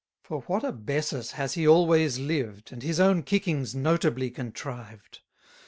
For what a Bessus has he always lived, And his own kickings notably contrived!